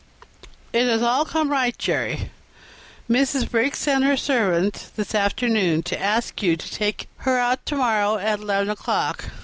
"It has all come right, Jerry; Mrs. Briggs sent her servant this afternoon to ask you to take her out to morrow at eleven o'clock.